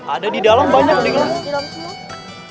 ada di dalam banyak nih